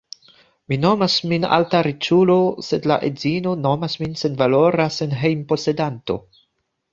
Mi nomas min alta riĉulo sed la edzino nomas min senvalora senhejm-posedanto